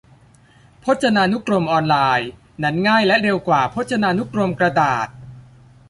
พจนานุกรมออนไลน์นั้นง่ายและเร็วกว่าพจนานุกรมกระดาษ